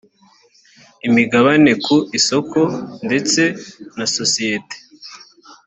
imigabane ku isoko ndetse na sosiyete